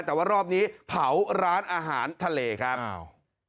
แต่ว่ารอบนี้เผาร้านอาหารทะเลครับอ้าว